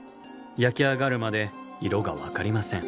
焼き上がるまで色が分かりません。